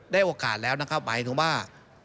โอกาสแล้วนะครับหมายถึงว่า